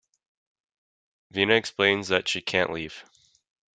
Vina explains that she can't leave.